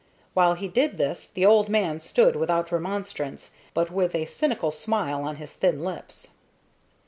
While he did this the old man stood without remonstrance, but with a cynical smile on his thin lips.